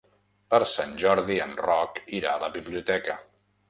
Per Sant Jordi en Roc irà a la biblioteca.